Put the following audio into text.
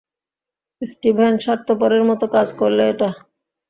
Steven, স্বার্থপরের মতো কাজ করলে এটা।